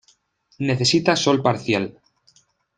Necesita sol parcial.